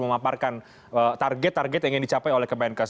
memaparkan target target yang ingin dicapai oleh kemenkes